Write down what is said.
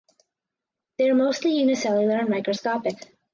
They are mostly unicellular and microscopic.